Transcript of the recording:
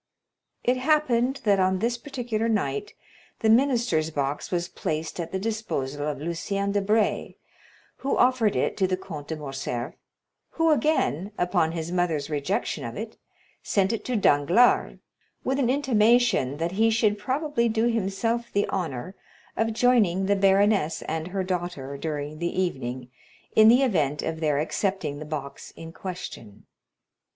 It happened that on this particular night the minister's box was placed at the disposal of Lucien Debray, who offered it to the Comte de Morcerf, who again, upon his rejection of it by Mercédès, sent it to Danglars, with an intimation that he should probably do himself the honor of joining the baroness and her daughter during the evening, in the event of their accepting the box in question.